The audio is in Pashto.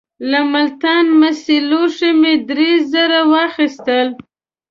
له ملتان مسي لوښي مې درې زره واخیستل.